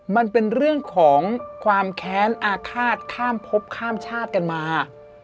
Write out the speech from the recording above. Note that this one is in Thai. มันเป็นเรื่องของความแค้นอาฆาตข้ามพบข้ามชาติกันมา